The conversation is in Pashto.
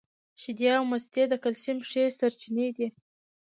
شیدې او مستې د کلسیم ښې سرچینې دي